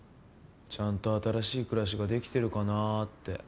ちゃんと新しい暮らしができてるかなって。